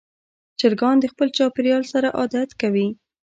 چرګان د خپل چاپېریال سره عادت کوي.